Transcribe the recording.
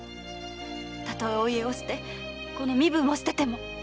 たとえ御家を捨てこの身分を捨てても！